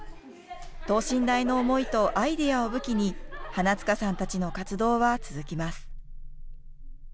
等身大の思いとアイデアを武器に、花塚さんたちの活動は続きます。